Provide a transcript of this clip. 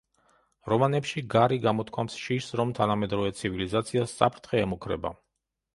რომანებში გარი გამოთქვამს შიშს, რომ თანამედროვე ცივილიზაციას საფრთხე ემუქრება.